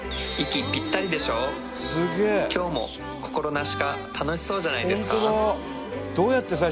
キョウも心なしか楽しそうじゃないですか？